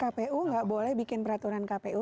kpu nggak boleh bikin peraturan kpu